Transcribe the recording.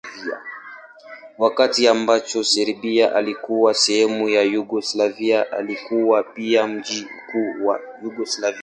Wakati ambako Serbia ilikuwa sehemu ya Yugoslavia ilikuwa pia mji mkuu wa Yugoslavia.